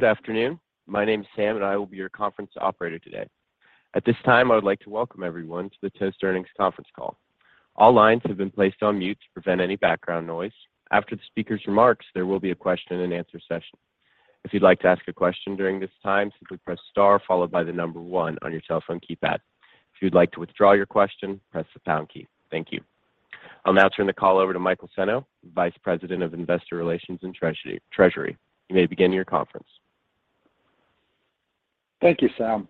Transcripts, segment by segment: Good afternoon. My name is Sam, and I will be your conference operator today. At this time, I would like to welcome everyone to the Toast earnings conference call. All lines have been placed on mute to prevent any background noise. After the speaker's remarks, there will be a question and answer session. If you'd like to ask a question during this time, simply press star followed by the number one on your telephone keypad. If you'd like to withdraw your question, press the pound key. Thank you. I'll now turn the call over to Michael Senno, Vice President of Investor Relations and Treasury. You may begin your conference. Thank you, Sam.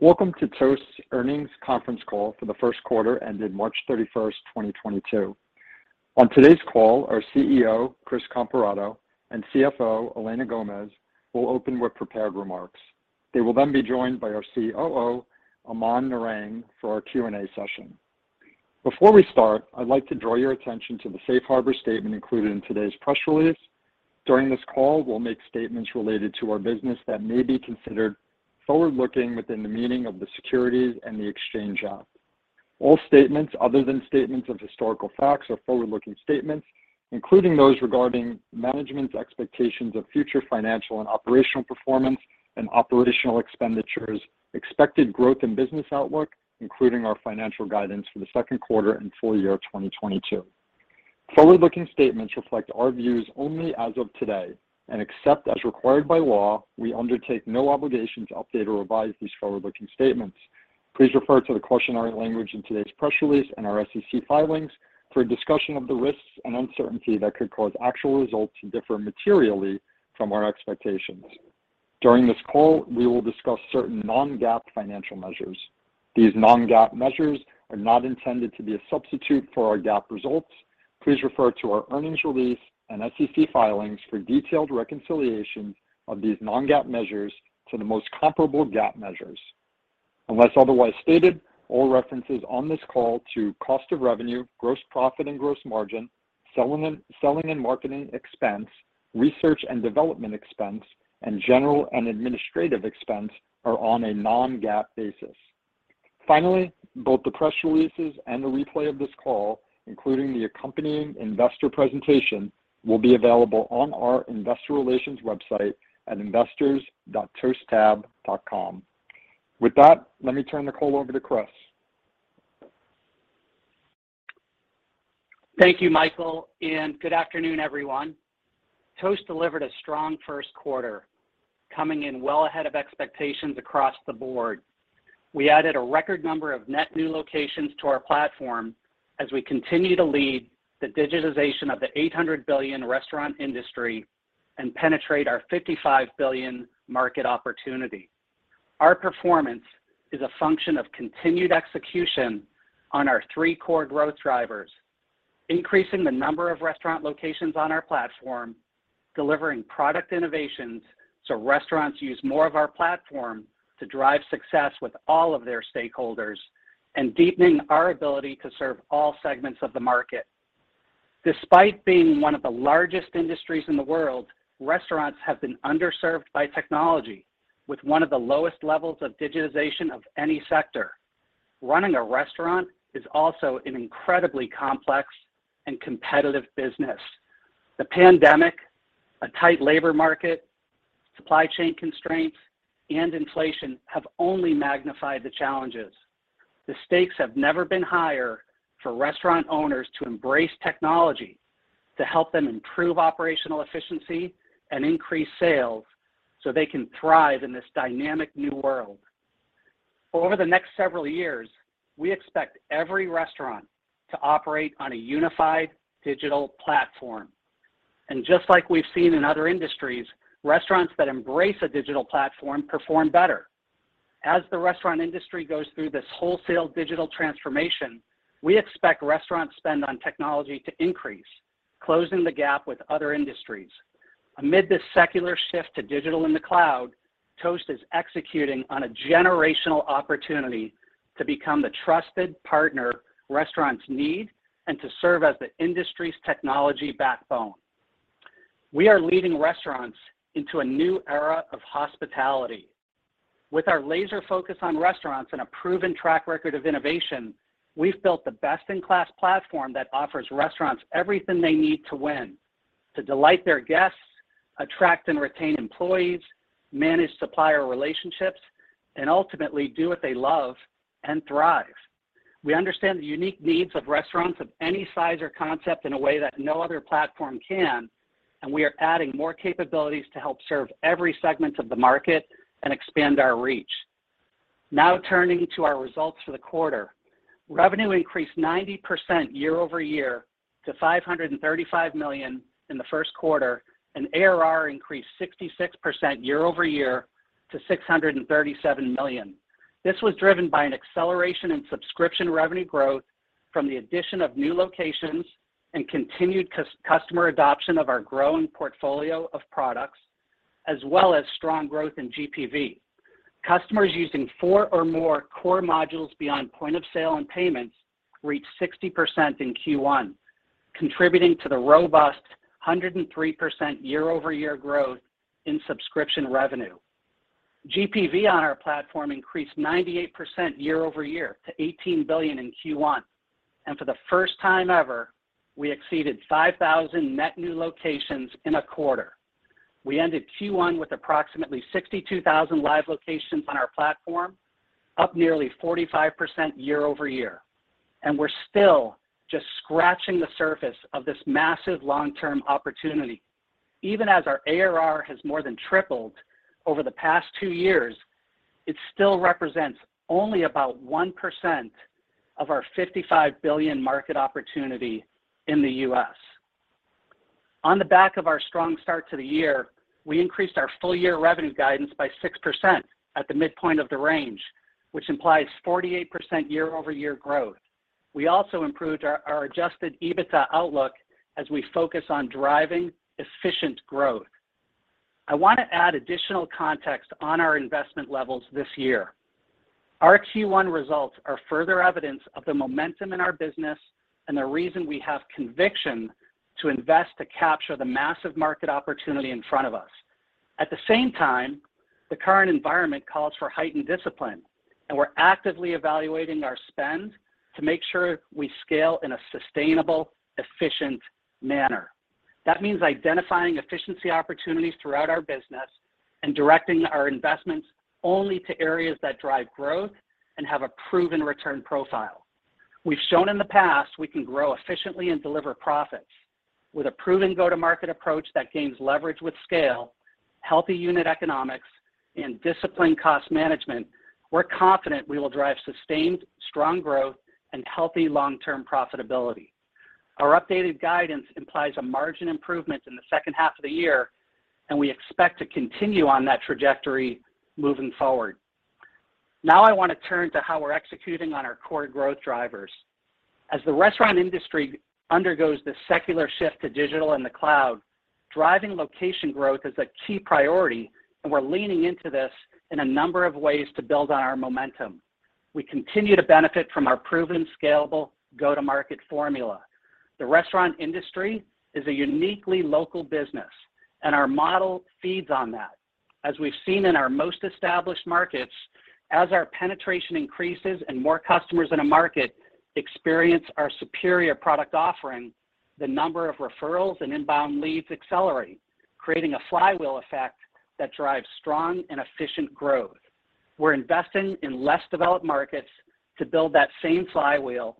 Welcome to Toast earnings conference call for the first quarter ended March 31st, 2022. On today's call, our CEO, Chris Comparato, and CFO, Elena Gomez, will open with prepared remarks. They will then be joined by our COO, Aman Narang, for our Q&A session. Before we start, I'd like to draw your attention to the Safe Harbor statement included in today's press release. During this call, we'll make statements related to our business that may be considered forward-looking within the meaning of the Securities and Exchange Act. All statements other than statements of historical facts are forward-looking statements, including those regarding management's expectations of future financial and operational performance and operational expenditures, expected growth and business outlook, including our financial guidance for the second quarter and full year of 2022. Forward-looking statements reflect our views only as of today, and except as required by law, we undertake no obligation to update or revise these forward-looking statements. Please refer to the cautionary language in today's press release and our SEC filings for a discussion of the risks and uncertainty that could cause actual results to differ materially from our expectations. During this call, we will discuss certain non-GAAP financial measures. These non-GAAP measures are not intended to be a substitute for our GAAP results. Please refer to our earnings release and SEC filings for detailed reconciliation of these non-GAAP measures to the most comparable GAAP measures. Unless otherwise stated, all references on this call to cost of revenue, gross profit and gross margin, selling and marketing expense, research and development expense, and general and administrative expense are on a non-GAAP basis. Finally, both the press releases and the replay of this call, including the accompanying investor presentation, will be available on our investor relations website at investors.toasttab.com. With that, let me turn the call over to Chris. Thank you, Michael, and good afternoon, everyone. Toast delivered a strong first quarter, coming in well ahead of expectations across the board. We added a record number of net new locations to our platform as we continue to lead the digitization of the $800 billion restaurant industry and penetrate our $55 billion market opportunity. Our performance is a function of continued execution on our three core growth drivers, increasing the number of restaurant locations on our platform, delivering product innovations so restaurants use more of our platform to drive success with all of their stakeholders, and deepening our ability to serve all segments of the market. Despite being one of the largest industries in the world, restaurants have been underserved by technology with one of the lowest levels of digitization of any sector. Running a restaurant is also an incredibly complex and competitive business. The pandemic, a tight labor market, supply chain constraints, and inflation have only magnified the challenges. The stakes have never been higher for restaurant owners to embrace technology to help them improve operational efficiency and increase sales so they can thrive in this dynamic new world. Over the next several years, we expect every restaurant to operate on a unified digital platform. Just like we've seen in other industries, restaurants that embrace a digital platform perform better. As the restaurant industry goes through this wholesale digital transformation, we expect restaurant spend on technology to increase, closing the gap with other industries. Amid this secular shift to digital in the cloud, Toast is executing on a generational opportunity to become the trusted partner restaurants need and to serve as the industry's technology backbone. We are leading restaurants into a new era of hospitality. With our laser focus on restaurants and a proven track record of innovation, we've built the best-in-class platform that offers restaurants everything they need to win to delight their guests, attract and retain employees, manage supplier relationships, and ultimately do what they love and thrive. We understand the unique needs of restaurants of any size or concept in a way that no other platform can, and we are adding more capabilities to help serve every segment of the market and expand our reach. Now, turning to our results for the quarter. Revenue increased 90% year-over-year to $535 million in the first quarter, and ARR increased 66% year-over-year to $637 million. This was driven by an acceleration in subscription revenue growth from the addition of new locations and continued customer adoption of our growing portfolio of products, as well as strong growth in GPV. Customers using four or more core modules beyond point of sale and payments reached 60% in Q1, contributing to the robust 103% year-over-year growth in subscription revenue. GPV on our platform increased 98% year-over-year to $18 billion in Q1. For the first time ever, we exceeded 5,000 net new locations in a quarter. We ended Q1 with approximately 62,000 live locations on our platform, up nearly 45% year-over-year. We're still just scratching the surface of this massive long-term opportunity. Even as our ARR has more than tripled over the past two years, it still represents only about 1% of our $55 billion market opportunity in the U.S. On the back of our strong start to the year, we increased our full year revenue guidance by 6% at the midpoint of the range, which implies 48% year-over-year growth. We also improved our Adjusted EBITDA outlook as we focus on driving efficient growth. I want to add additional context on our investment levels this year. Our Q1 results are further evidence of the momentum in our business and the reason we have conviction to invest to capture the massive market opportunity in front of us. At the same time, the current environment calls for heightened discipline, and we're actively evaluating our spend to make sure we scale in a sustainable, efficient manner. That means identifying efficiency opportunities throughout our business and directing our investments only to areas that drive growth and have a proven return profile. We've shown in the past we can grow efficiently and deliver profits. With a proven go-to-market approach that gains leverage with scale, healthy unit economics, and disciplined cost management, we're confident we will drive sustained strong growth and healthy long-term profitability. Our updated guidance implies a margin improvement in the second half of the year, and we expect to continue on that trajectory moving forward. Now, I want to turn to how we're executing on our core growth drivers. As the restaurant industry undergoes this secular shift to digital and the cloud, driving location growth is a key priority, and we're leaning into this in a number of ways to build on our momentum. We continue to benefit from our proven, scalable go-to-market formula. The restaurant industry is a uniquely local business, and our model feeds on that. As we've seen in our most established markets, as our penetration increases and more customers in a market experience our superior product offering, the number of referrals and inbound leads accelerate, creating a flywheel effect that drives strong and efficient growth. We're investing in less developed markets to build that same flywheel.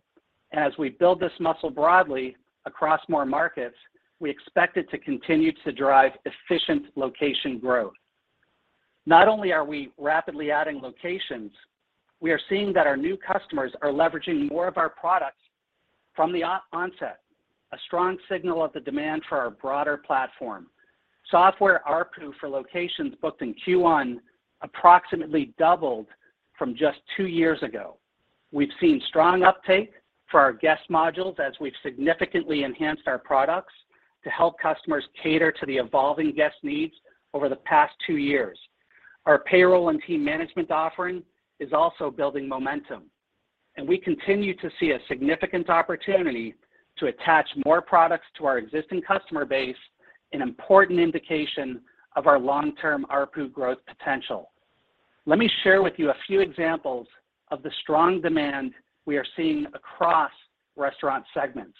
As we build this muscle broadly across more markets, we expect it to continue to drive efficient location growth. Not only are we rapidly adding locations, we are seeing that our new customers are leveraging more of our products from the onset, a strong signal of the demand for our broader platform. Software ARPU for locations booked in Q1 approximately doubled from just two years ago. We've seen strong uptake for our guest modules as we've significantly enhanced our products to help customers cater to the evolving guest needs over the past two years. Our payroll and team management offering is also building momentum, and we continue to see a significant opportunity to attach more products to our existing customer base, an important indication of our long-term ARPU growth potential. Let me share with you a few examples of the strong demand we are seeing across restaurant segments.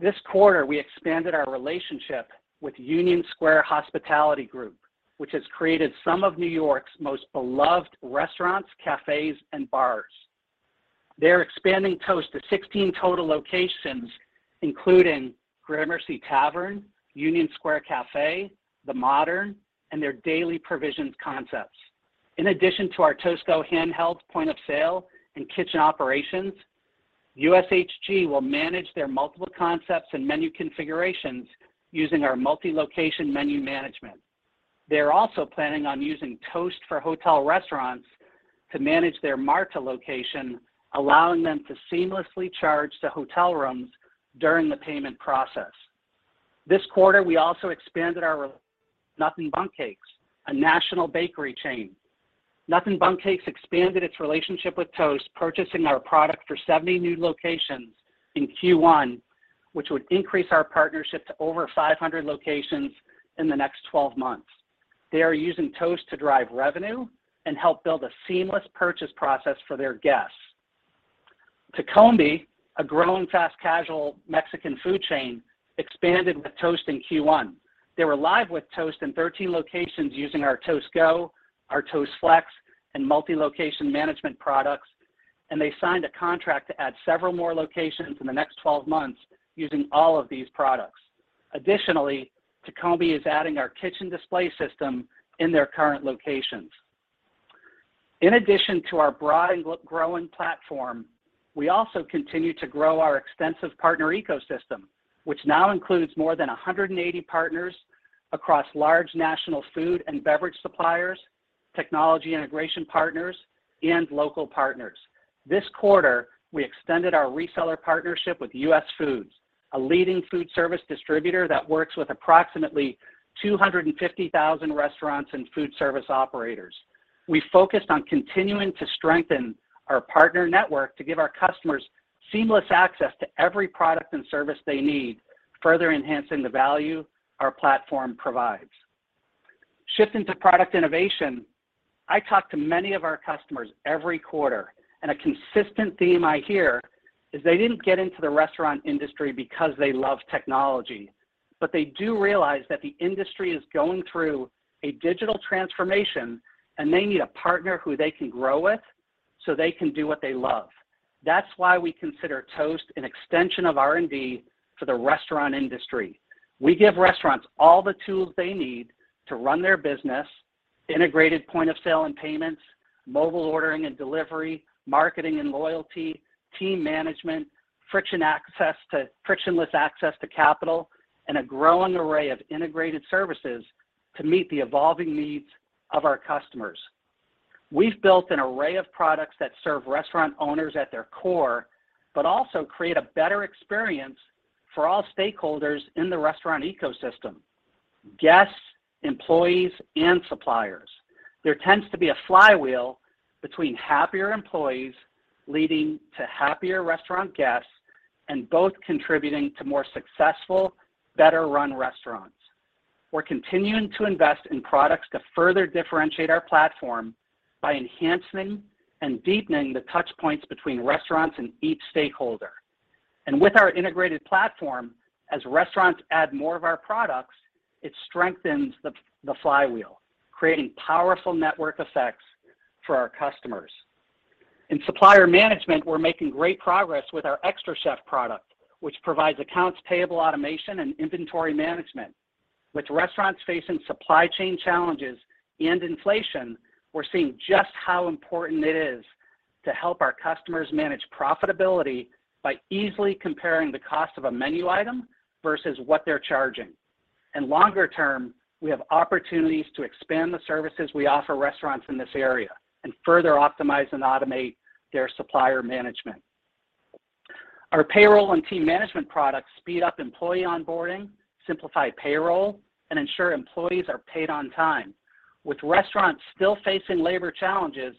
This quarter, we expanded our relationship with Union Square Hospitality Group, which has created some of New York's most beloved restaurants, cafes, and bars. They're expanding Toast to 16 total locations, including Gramercy Tavern, Union Square Cafe, The Modern, and their Daily Provisions concepts. In addition to our Toast Go handheld point-of-sale and kitchen operations, USHG will manage their multiple concepts and menu configurations using our multi-location menu management. They're also planning on using Toast for Hotel Restaurants to manage their Marta location, allowing them to seamlessly charge the hotel rooms during the payment process. This quarter, we also expanded our Nothing Bundt Cakes, a national bakery chain. Nothing Bundt Cakes expanded its relationship with Toast, purchasing our product for 70 new locations in Q1, which would increase our partnership to over 500 locations in the next twelve months. They are using Toast to drive revenue and help build a seamless purchase process for their guests. Tacombi, a growing fast-casual Mexican food chain, expanded with Toast in Q1. They were live with Toast in 13 locations using our Toast Go, our Toast Flex, and multi-location management products, and they signed a contract to add several more locations in the next 12 months using all of these products. Additionally, Tacombi is adding our kitchen display system in their current locations. In addition to our broad growing platform, we also continue to grow our extensive partner ecosystem, which now includes more than 180 partners across large national food and beverage suppliers, technology integration partners, and local partners. This quarter, we extended our reseller partnership with US Foods, a leading food service distributor that works with approximately 250,000 restaurants and food service operators. We focused on continuing to strengthen our partner network to give our customers seamless access to every product and service they need, further enhancing the value our platform provides. Shifting to product innovation, I talk to many of our customers every quarter, and a consistent theme I hear is they didn't get into the restaurant industry because they love technology, but they do realize that the industry is going through a digital transformation, and they need a partner who they can grow with, so they can do what they love. That's why we consider Toast an extension of R&D for the restaurant industry. We give restaurants all the tools they need to run their business, integrated point of sale and payments, mobile ordering and delivery, marketing and loyalty, team management, frictionless access to capital, and a growing array of integrated services to meet the evolving needs of our customers. We've built an array of products that serve restaurant owners at their core, but also create a better experience for all stakeholders in the restaurant ecosystem, guests, employees, and suppliers. There tends to be a flywheel between happier employees leading to happier restaurant guests, and both contributing to more successful, better run restaurants. We're continuing to invest in products to further differentiate our platform by enhancing and deepening the touch points between restaurants and each stakeholder. With our integrated platform, as restaurants add more of our products, it strengthens the flywheel, creating powerful network effects for our customers. In supplier management, we're making great progress with our xtraCHEF product, which provides accounts payable automation and inventory management. With restaurants facing supply chain challenges and inflation, we're seeing just how important it is to help our customers manage profitability by easily comparing the cost of a menu item versus what they're charging. Longer term, we have opportunities to expand the services we offer restaurants in this area and further optimize and automate their supplier management. Our payroll and team management products speed up employee onboarding, simplify payroll, and ensure employees are paid on time. With restaurants still facing labor challenges,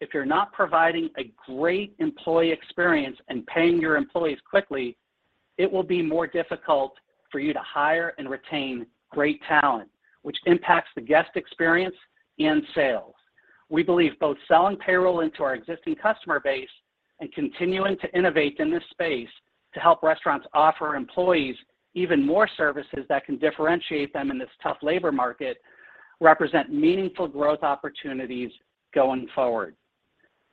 if you're not providing a great employee experience and paying your employees quickly, it will be more difficult for you to hire and retain great talent, which impacts the guest experience and sales. We believe both selling payroll into our existing customer base and continuing to innovate in this space to help restaurants offer employees even more services that can differentiate them in this tough labor market represent meaningful growth opportunities going forward.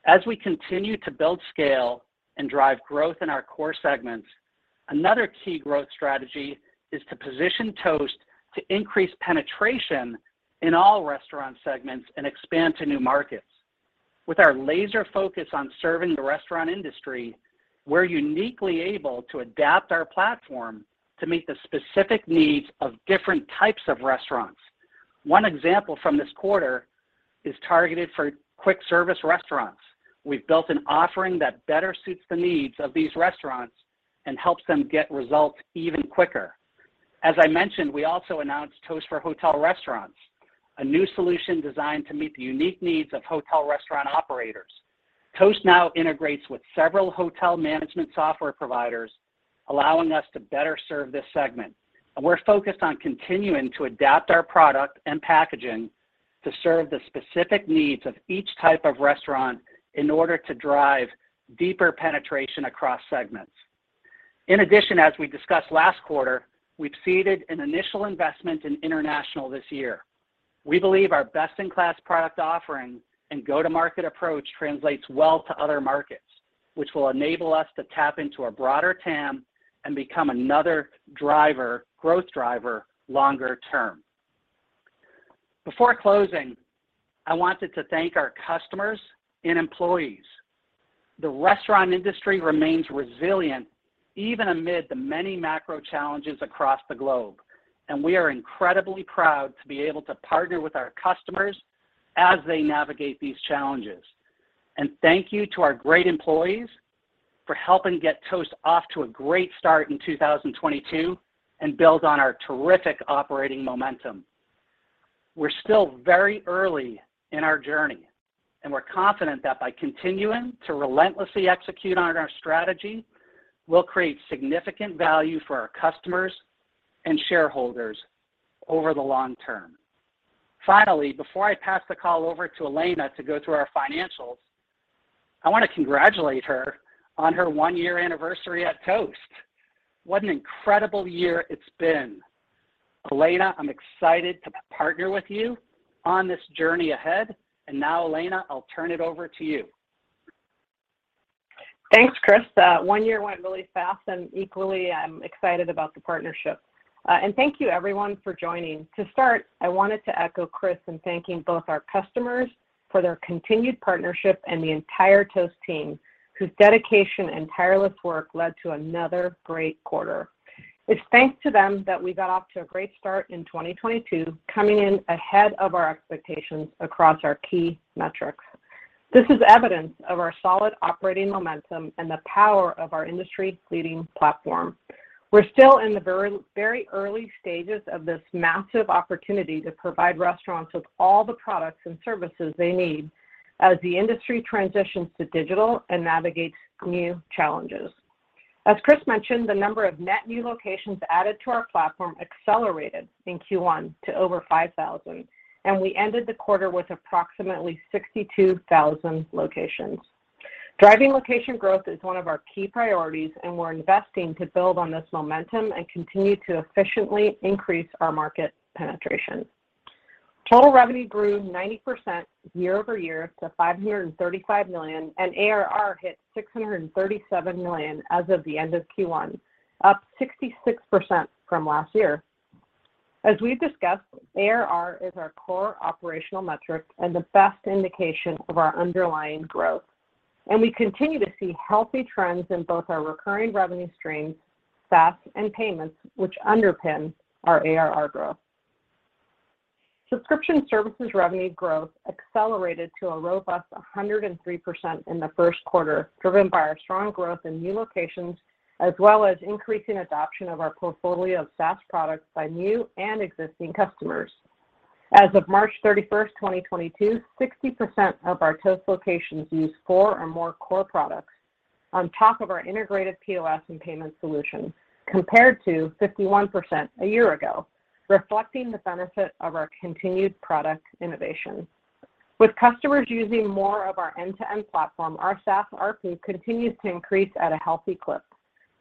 As we continue to build scale and drive growth in our core segments, another key growth strategy is to position Toast to increase penetration in all restaurant segments and expand to new markets. With our laser focus on serving the restaurant industry, we're uniquely able to adapt our platform to meet the specific needs of different types of restaurants. One example from this quarter is targeted for quick service restaurants. We've built an offering that better suits the needs of these restaurants and helps them get results even quicker. As I mentioned, we also announced Toast for Hotel Restaurants, a new solution designed to meet the unique needs of hotel restaurant operators. Toast now integrates with several hotel management software providers, allowing us to better serve this segment. We're focused on continuing to adapt our product and packaging to serve the specific needs of each type of restaurant in order to drive deeper penetration across segments. In addition, as we discussed last quarter, we've seeded an initial investment in international this year. We believe our best-in-class product offering and go-to-market approach translates well to other markets, which will enable us to tap into a broader TAM and become another driver, growth driver longer term. Before closing, I wanted to thank our customers and employees. The restaurant industry remains resilient even amid the many macro challenges across the globe, and we are incredibly proud to be able to partner with our customers as they navigate these challenges. Thank you to our great employees for helping get Toast off to a great start in 2022 and build on our terrific operating momentum. We're still very early in our journey, and we're confident that by continuing to relentlessly execute on our strategy, we'll create significant value for our customers and shareholders over the long term. Finally, before I pass the call over to Elena to go through our financials, I want to congratulate her on her one-year anniversary at Toast. What an incredible year it's been. Elena, I'm excited to partner with you on this journey ahead. Now, Elena, I'll turn it over to you. Thanks, Chris. One year went really fast, and equally, I'm excited about the partnership. Thank you everyone for joining. To start, I wanted to echo Chris in thanking both our customers for their continued partnership and the entire Toast team, whose dedication and tireless work led to another great quarter. It's thanks to them that we got off to a great start in 2022, coming in ahead of our expectations across our key metrics. This is evidence of our solid operating momentum and the power of our industry-leading platform. We're still in the very, very early stages of this massive opportunity to provide restaurants with all the products and services they need as the industry transitions to digital and navigates new challenges. As Chris mentioned, the number of net new locations added to our platform accelerated in Q1 to over 5,000, and we ended the quarter with approximately 62,000 locations. Driving location growth is one of our key priorities, and we're investing to build on this momentum and continue to efficiently increase our market penetration. Total revenue grew 90% year-over-year to $535 million, and ARR hit $637 million as of the end of Q1, up 66% from last year. As we've discussed, ARR is our core operational metric and the best indication of our underlying growth, and we continue to see healthy trends in both our recurring revenue streams, SaaS and payments, which underpin our ARR growth. Subscription services revenue growth accelerated to a robust 103% in the first quarter, driven by our strong growth in new locations as well as increasing adoption of our portfolio of SaaS products by new and existing customers. As of March 31st, 2022, 60% of our Toast locations use 4 or more core products on top of our integrated POS and payment solutions, compared to 51% a year ago, reflecting the benefit of our continued product innovation. With customers using more of our end-to-end platform, our SaaS ARPU continues to increase at a healthy clip.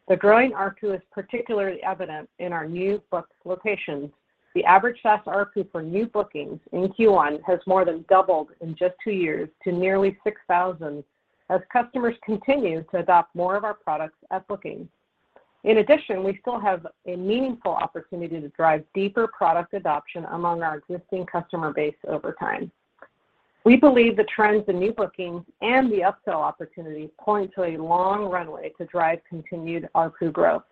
The growing ARPU is particularly evident in our new booked locations. The average SaaS ARPU for new bookings in Q1 has more than doubled in just two years to nearly $6,000 as customers continue to adopt more of our products at booking. In addition, we still have a meaningful opportunity to drive deeper product adoption among our existing customer base over time. We believe the trends in new bookings and the upsell opportunities point to a long runway to drive continued ARPU growth.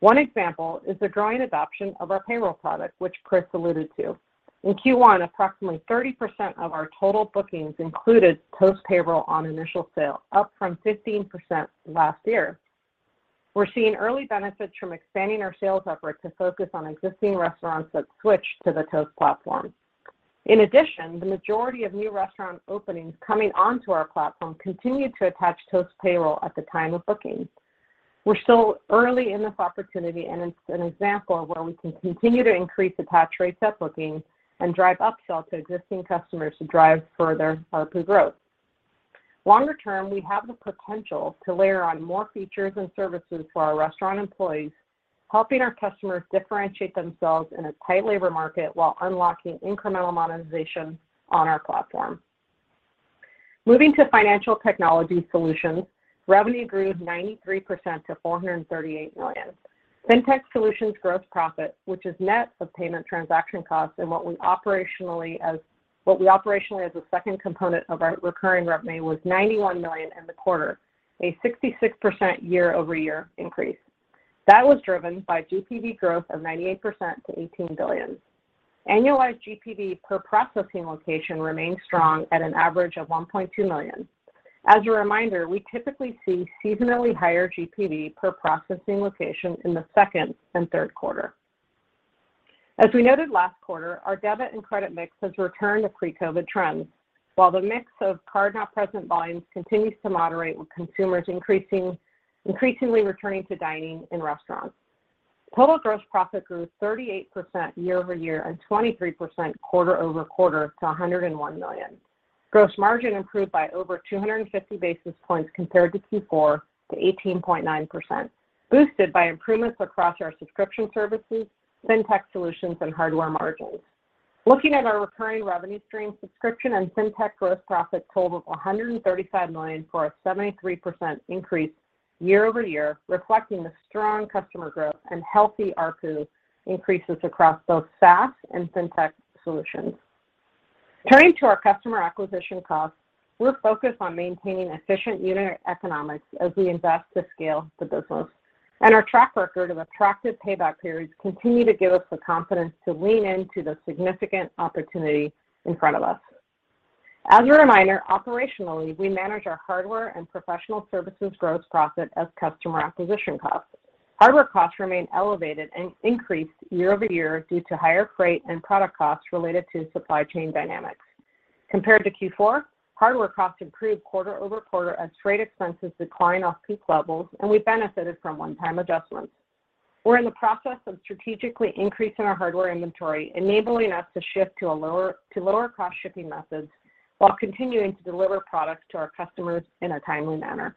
One example is the growing adoption of our payroll product, which Chris alluded to. In Q1, approximately 30% of our total bookings included Toast Payroll on initial sale, up from 15% last year. We're seeing early benefits from expanding our sales effort to focus on existing restaurants that switch to the Toast platform. In addition, the majority of new restaurant openings coming onto our platform continued to attach Toast Payroll at the time of booking. We're still early in this opportunity, and it's an example of where we can continue to increase attach rates at booking and drive upsell to existing customers to drive further ARPU growth. Longer term, we have the potential to layer on more features and services for our restaurant employees, helping our customers differentiate themselves in a tight labor market while unlocking incremental monetization on our platform. Moving to Fintech solutions, revenue grew 93% to $438 million. Fintech solutions gross profit, which is net of payment transaction costs and what we refer to operationally as the second component of our recurring revenue, was $91 million in the quarter, a 66% year-over-year increase. That was driven by GPV growth of 98% to $18 billion. Annualized GPV per processing location remains strong at an average of $1.2 million. As a reminder, we typically see seasonally higher GPV per processing location in the second and third quarter. As we noted last quarter, our debit and credit mix has returned to pre-COVID trends, while the mix of card-not-present volumes continues to moderate with consumers increasingly returning to dining in restaurants. Total gross profit grew 38% year-over-year and 23% quarter-over-quarter to $101 million. Gross margin improved by over 250 basis points compared to Q4 to 18.9%, boosted by improvements across our subscription services, fintech solutions, and hardware margins. Looking at our recurring revenue stream, subscription, and fintech gross profit total of $135 million for a 73% increase year-over-year, reflecting the strong customer growth and healthy ARPU increases across both SaaS and fintech solutions. Turning to our customer acquisition costs, we're focused on maintaining efficient unit economics as we invest to scale the business, and our track record of attractive payback periods continue to give us the confidence to lean into the significant opportunity in front of us. As a reminder, operationally, we manage our hardware and professional services gross profit as customer acquisition costs. Hardware costs remain elevated and increased year-over-year due to higher freight and product costs related to supply chain dynamics. Compared to Q4, hardware costs improved quarter-over-quarter as freight expenses decline off peak levels, and we benefited from one-time adjustments. We're in the process of strategically increasing our hardware inventory, enabling us to shift to lower cost shipping methods while continuing to deliver products to our customers in a timely manner.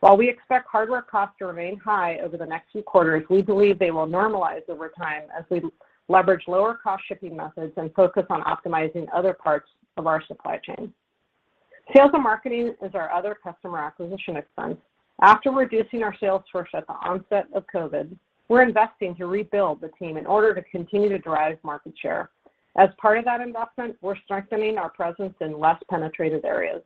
While we expect hardware costs to remain high over the next few quarters, we believe they will normalize over time as we leverage lower cost shipping methods and focus on optimizing other parts of our supply chain. Sales and marketing is our other customer acquisition expense. After reducing our sales force at the onset of COVID, we're investing to rebuild the team in order to continue to drive market share. As part of that investment, we're strengthening our presence in less penetrated areas.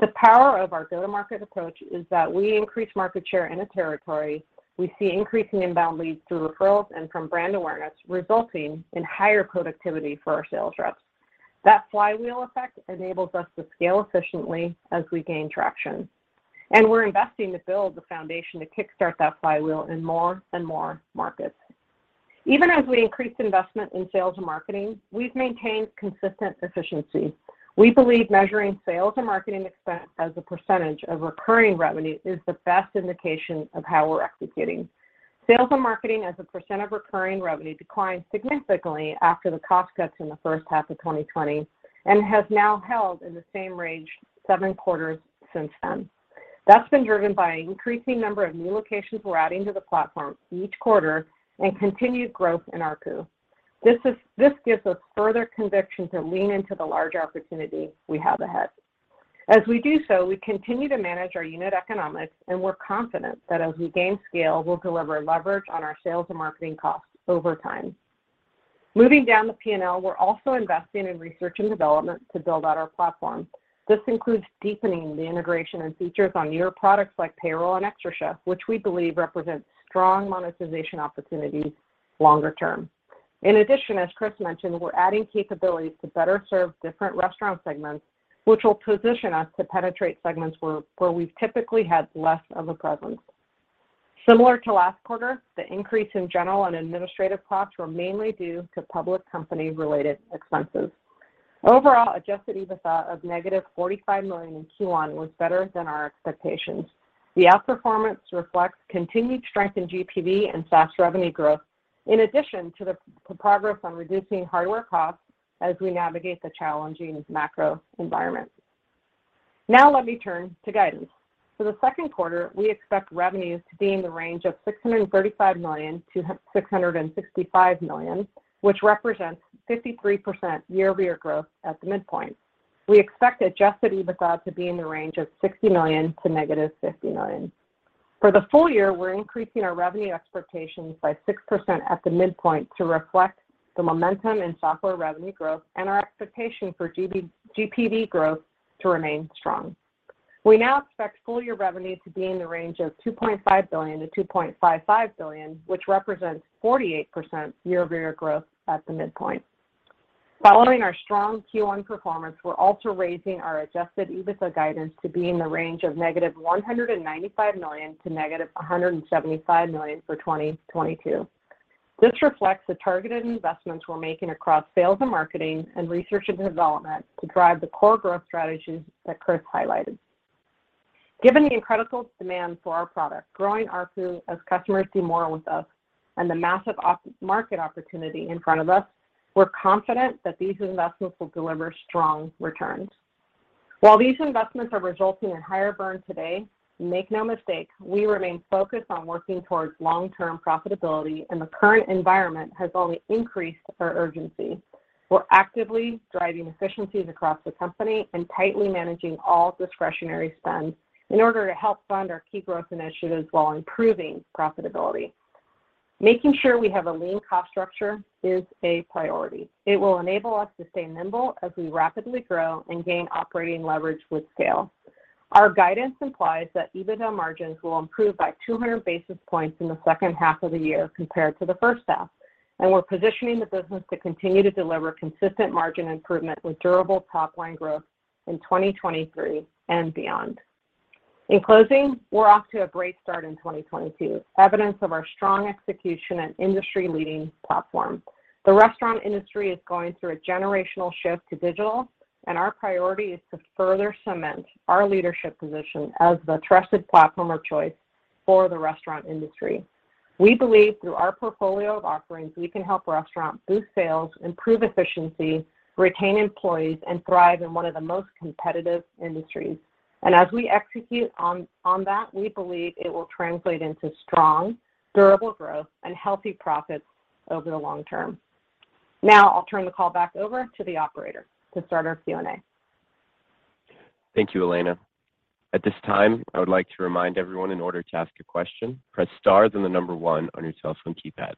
The power of our go-to-market approach is that we increase market share in a territory, we see increasing inbound leads through referrals and from brand awareness, resulting in higher productivity for our sales reps. That flywheel effect enables us to scale efficiently as we gain traction. We're investing to build the foundation to kickstart that flywheel in more and more markets. Even as we increase investment in sales and marketing, we've maintained consistent efficiency. We believe measuring sales and marketing expense as a percentage of recurring revenue is the best indication of how we're executing. Sales and marketing as a percent of recurring revenue declined significantly after the cost cuts in the first half of 2020, and has now held in the same range seven quarters since then. That's been driven by an increasing number of new locations we're adding to the platform each quarter and continued growth in ARPU. This gives us further conviction to lean into the large opportunity we have ahead. As we do so, we continue to manage our unit economics, and we're confident that as we gain scale, we'll deliver leverage on our sales and marketing costs over time. Moving down the P&L, we're also investing in research and development to build out our platform. This includes deepening the integration and features on newer products like Payroll and xtraCHEF, which we believe represents strong monetization opportunities longer term. In addition, as Chris mentioned, we're adding capabilities to better serve different restaurant segments, which will position us to penetrate segments where we've typically had less of a presence. Similar to last quarter, the increase in general and administrative costs were mainly due to public company-related expenses. Overall, Adjusted EBITDA of -$45 million in Q1 was better than our expectations. The outperformance reflects continued strength in GPV and SaaS revenue growth in addition to the progress on reducing hardware costs as we navigate the challenging macro environment. Now, let me turn to guidance. For the second quarter, we expect revenues to be in the range of $635 million-$665 million, which represents 53% year-over-year growth at the midpoint. We expect Adjusted EBITDA to be in the range of $60 million to -$50 million. For the full year, we're increasing our revenue expectations by 6% at the midpoint to reflect the momentum in software revenue growth and our expectation for GPV growth to remain strong. We now expect full year revenue to be in the range of $2.5 billion-$2.55 billion, which represents 48% year-over-year growth at the midpoint. Following our strong Q1 performance, we're also raising our Adjusted EBITDA guidance to be in the range of -$195 million to -$175 million for 2022. This reflects the targeted investments we're making across sales and marketing and research and development to drive the core growth strategies that Chris highlighted. Given the incredible demand for our product, growing ARPU as customers do more with us, and the massive market opportunity in front of us, we're confident that these investments will deliver strong returns. While these investments are resulting in higher burn today, make no mistake, we remain focused on working towards long-term profitability, and the current environment has only increased our urgency. We're actively driving efficiencies across the company and tightly managing all discretionary spend in order to help fund our key growth initiatives while improving profitability. Making sure we have a lean cost structure is a priority. It will enable us to stay nimble as we rapidly grow and gain operating leverage with scale. Our guidance implies that EBITDA margins will improve by 200 basis points in the second half of the year compared to the first half, and we're positioning the business to continue to deliver consistent margin improvement with durable top line growth in 2022 and beyond. In closing, we're off to a great start in 2022, evidence of our strong execution and industry-leading platform. The restaurant industry is going through a generational shift to digital, and our priority is to further cement our leadership position as the trusted platform of choice for the restaurant industry. We believe through our portfolio of offerings, we can help restaurants boost sales, improve efficiency, retain employees, and thrive in one of the most competitive industries. As we execute on that, we believe it will translate into strong, durable growth and healthy profits over the long term. Now, I'll turn the call back over to the operator to start our Q&A. Thank you, Elena. At this time, I would like to remind everyone in order to ask a question, press star then one on your telephone keypad.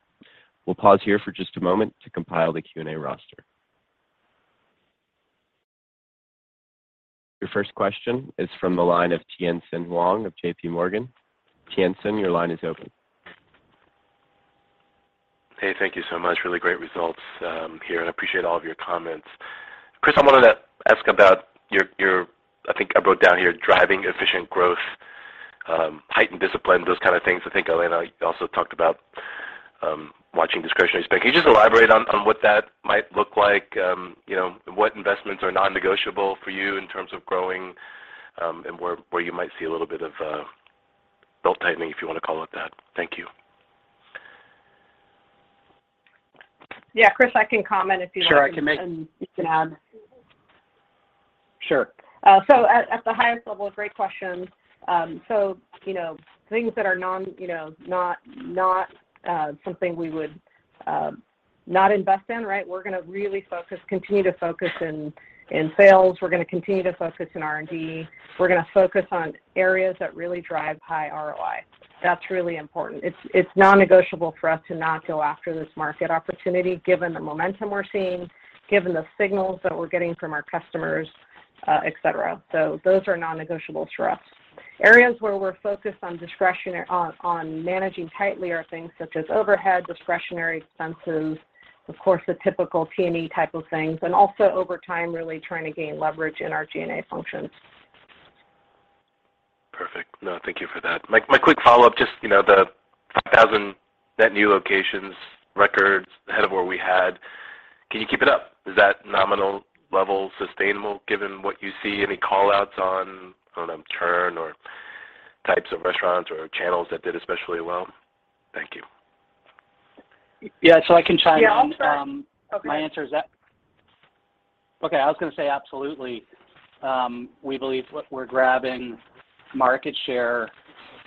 We'll pause here for just a moment to compile the Q&A roster. Your first question is from the line of Tien-Tsin Huang of JPMorgan. Tien-Tsin, your line is open. Hey, thank you so much. Really great results here, and I appreciate all of your comments. Chris, I wanted to ask about your. I think I wrote down here driving efficient growth, heightened discipline, those kind of things. I think Elena also talked about watching discretionary spend. Can you just elaborate on what that might look like? You know, what investments are non-negotiable for you in terms of growing, and where you might see a little bit of belt-tightening, if you want to call it that? Thank you. Yeah. Chris, I can comment if you'd like. Sure. I can make. You can add. Sure. At the highest level, great question. Things that are not something we would not invest in, right? We're gonna really focus, continue to focus in sales. We're gonna continue to focus in R&D. We're gonna focus on areas that really drive high ROI. That's really important. It's non-negotiable for us to not go after this market opportunity given the momentum we're seeing, given the signals that we're getting from our customers, et cetera. Those are non-negotiables for us. Areas where we're focused on managing tightly are things such as overhead, discretionary expenses, of course, the typical T&E type of things, and also over time, really trying to gain leverage in our G&A functions. Perfect. No, thank you for that. My quick follow-up, just, you know, the 5,000 net new locations recorded ahead of where we had. Can you keep it up? Is that nominal level sustainable given what you see? Any call-outs on, I don't know, churn or types of restaurants or channels that did especially well? Thank you. Yeah, I can chime in. Yeah, I'll start. Um- Okay. I was gonna say absolutely. We believe we're grabbing market share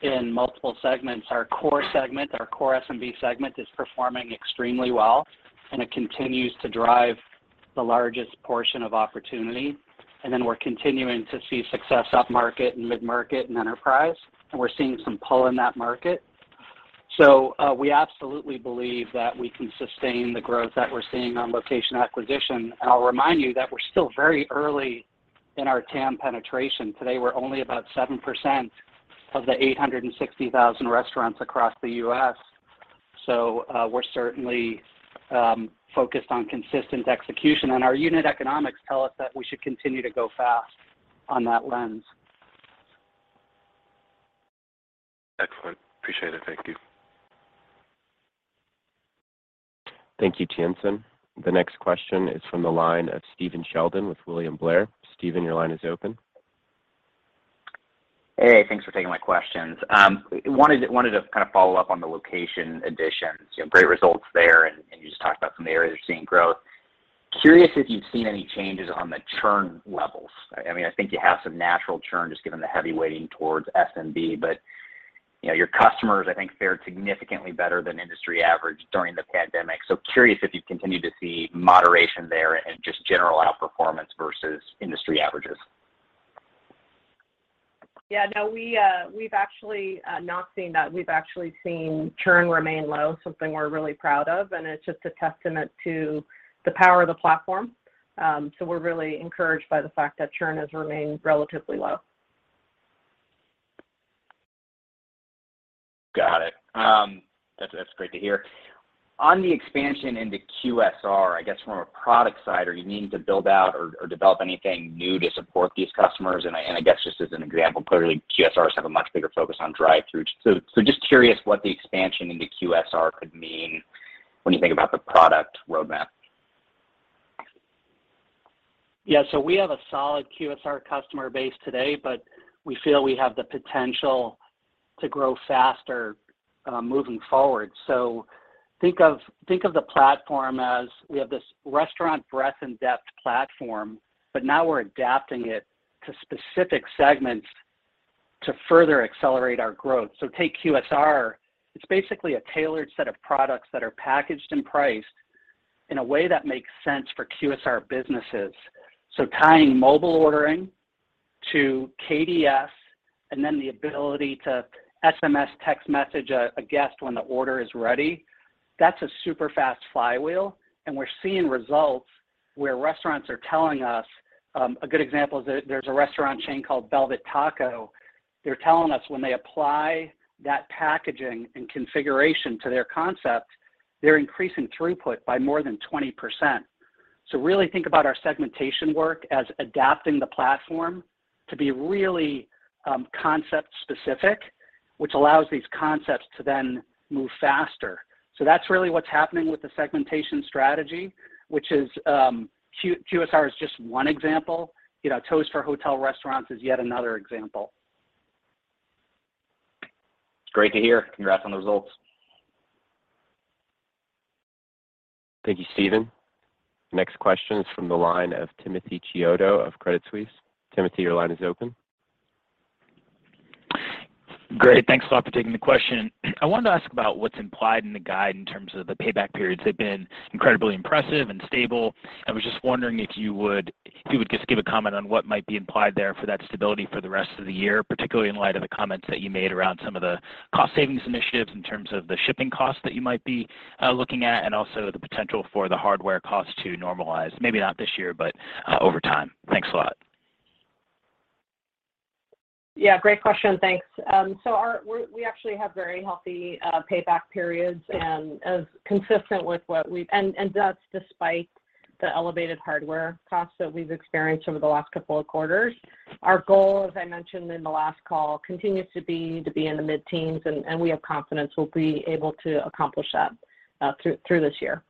in multiple segments. Our core segment, our core SMB segment is performing extremely well, and it continues to drive the largest portion of opportunity. We're continuing to see success up-market and mid-market and enterprise, and we're seeing some pull in that market. We absolutely believe that we can sustain the growth that we're seeing on location acquisition. I'll remind you that we're still very early in our TAM penetration. Today, we're only about 7% of the 860,000 restaurants across the U.S. We're certainly focused on consistent execution. Our unit economics tell us that we should continue to go fast on that lens. Excellent. Appreciate it. Thank you. Thank you, Tien-Tsin Huang. The next question is from the line of Stephen Sheldon with William Blair. Stephen, your line is open. Hey, thanks for taking my questions. Wanted to kind of follow up on the location additions. You know, great results there, and you just talked about some areas you're seeing growth. Curious if you've seen any changes on the churn levels. I mean, I think you have some natural churn just given the heavy weighting towards SMB, but you know, your customers, I think, fared significantly better than industry average during the pandemic. Curious if you've continued to see moderation there and just general outperformance versus industry averages. Yeah, no, we've actually not seen that. We've actually seen churn remain low, something we're really proud of, and it's just a testament to the power of the platform. We're really encouraged by the fact that churn has remained relatively low. Got it. That's great to hear. On the expansion into QSR, I guess, from a product side, are you needing to build out or develop anything new to support these customers? I guess, just as an example, clearly QSRs have a much bigger focus on drive-through. Just curious what the expansion into QSR could mean when you think about the product roadmap. Yeah. We have a solid QSR customer base today, but we feel we have the potential to grow faster, moving forward. Think of the platform as we have this restaurant breadth and depth platform, but now we're adapting it to specific segments to further accelerate our growth. Take QSR, it's basically a tailored set of products that are packaged and priced in a way that makes sense for QSR businesses. Tying mobile ordering to KDS and then the ability to SMS text message a guest when the order is ready, that's a super fast flywheel, and we're seeing results where restaurants are telling us. A good example is that there's a restaurant chain called Velvet Taco. They're telling us when they apply that packaging and configuration to their concept, they're increasing throughput by more than 20%. Really think about our segmentation work as adapting the platform to be really, concept specific, which allows these concepts to then move faster. That's really what's happening with the segmentation strategy, which is, QSR is just one example. You know, Toast for Hotel Restaurants is yet another example. It's great to hear. Congrats on the results. Thank you, Stephen. The next question is from the line of Timothy Chiodo of Credit Suisse. Timothy, your line is open. Great. Thanks a lot for taking the question. I wanted to ask about what's implied in the guide in terms of the payback periods. They've been incredibly impressive and stable. I was just wondering if you would just give a comment on what might be implied there for that stability for the rest of the year, particularly in light of the comments that you made around some of the cost savings initiatives in terms of the shipping costs that you might be looking at, and also the potential for the hardware costs to normalize, maybe not this year, but over time. Thanks a lot. Yeah, great question. Thanks. We actually have very healthy payback periods. That's despite the elevated hardware costs that we've experienced over the last couple of quarters. Our goal, as I mentioned in the last call, continues to be in the mid-teens, and we have confidence we'll be able to accomplish that through this year.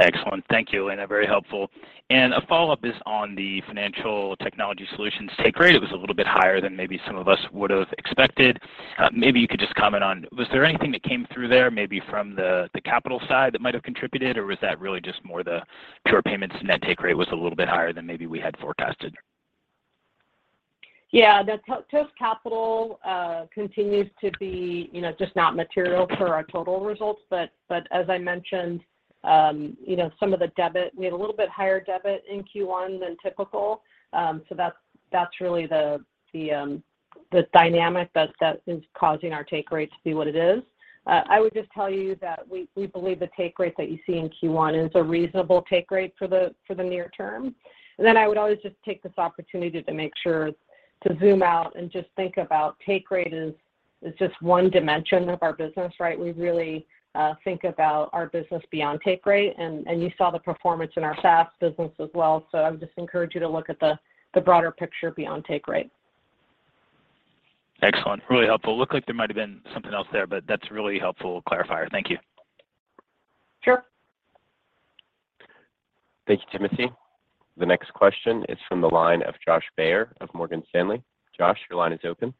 Excellent. Thank you, Elena. Very helpful. A follow-up is on the financial technology solutions take rate. It was a little bit higher than maybe some of us would have expected. Maybe you could just comment on was there anything that came through there, maybe from the capital side that might have contributed, or was that really just more the pure payments net take rate was a little bit higher than maybe we had forecasted? Toast Capital continues to be, you know, just not material for our total results. But as I mentioned, you know, some of the debit, we had a little bit higher debit in Q1 than typical. So that's really the dynamic that is causing our take rate to be what it is. I would just tell you that we believe the take rate that you see in Q1 is a reasonable take rate for the near term. Then I would always just take this opportunity to make sure to zoom out and just think about take rate is just one dimension of our business, right? We really think about our business beyond take rate, and you saw the performance in our SaaS business as well. I would just encourage you to look at the broader picture beyond take rate. Excellent. Really helpful. Looked like there might've been something else there, but that's really helpful clarifier. Thank you. Sure. Thank you, Timothy. The next question is from the line of Josh Baer of Morgan Stanley. Josh, your line is open.